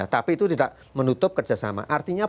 tapi itu tidak menutup kerjasama artinya